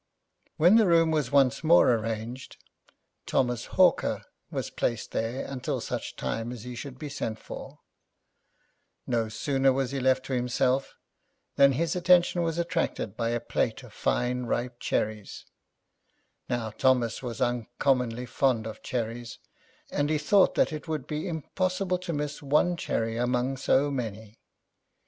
When the room was once more arranged, Thomas Hawker was placed there until such time as he should be sent for; no sooner was he left to himself, than his attention was attracted by a plate of fine ripe cherries; now Thomas was uncommonly fond of cherries, and he thought that it[Pg 38] would be impossible to miss one cherry among so many.